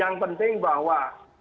yang penting bahwa